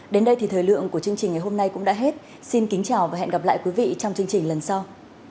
đến đây thì thời lượng của chương trình ngày hôm nay cũng đã hết xin kính chào và hẹn gặp lại quý vị trong chương trình lần sau